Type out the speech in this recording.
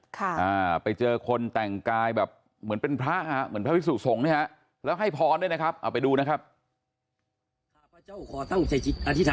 ค่ะไปเจอคนแต่งกายแบบเหมือนเป็นพระเหมือนพระพิสุสงฆ์นะฮะ